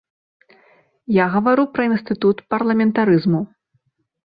Я гавару пра інстытут парламентарызму.